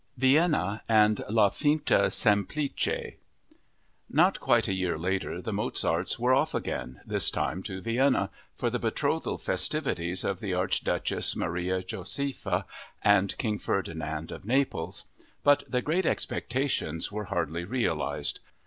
Vienna and La Finta semplice Not quite a year later the Mozarts were off again, this time to Vienna, for the betrothal festivities of the Archduchess Maria Josepha and King Ferdinand of Naples. But their great expectations were hardly realized.